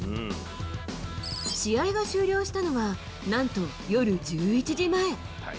試合が終了したのは、なんと夜１１時前。